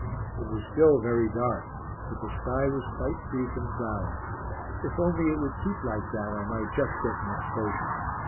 It was still very dark, but the sky was quite free from clouds. If only it would keep like that I might just get an exposure.